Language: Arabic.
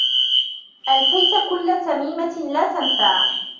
ألفيت كلّ تميمة لا تنفع